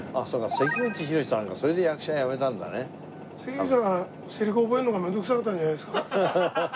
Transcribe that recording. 関口宏さんが関口さんはセリフ覚えるのが面倒くさかったんじゃないですか。